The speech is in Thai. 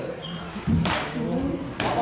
มต้นหนาเอาไปดูคลิปก่อนครับ